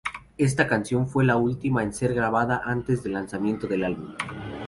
Esta canción fue la última en ser grabada antes del lanzamiento del álbum.